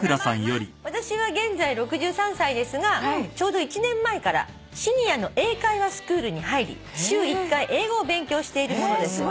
「私は現在６３歳ですがちょうど１年前からシニアの英会話スクールに入り週１回英語を勉強している者です」